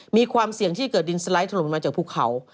มีความเสี่ยงที่เกิดดินสไลด์ถล่มมาจากภูเขา